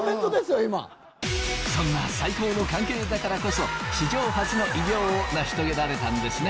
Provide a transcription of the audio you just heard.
そんな最高の関係だからこそ史上初の偉業を成し遂げられたんですね。